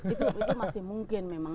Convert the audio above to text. itu masih mungkin memang